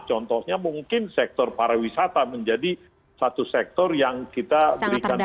contohnya mungkin sektor para wisata menjadi satu sektor yang kita berikan perhatian